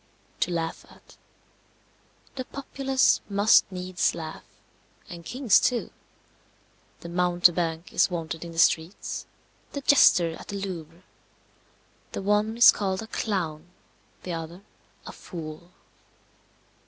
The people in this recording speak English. To laugh at. The populace must needs laugh, and kings too. The mountebank is wanted in the streets, the jester at the Louvre. The one is called a Clown, the other a Fool.